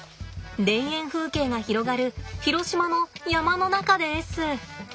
田園風景が広がる広島の山の中です。